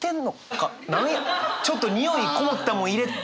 ちょっとにおいこもったもん入れてて。